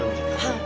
はい。